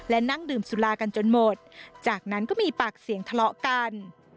และนั่งดื่มสุรากันจนหมดจากนั้นก็มีปากเสียงทะเลาะกัน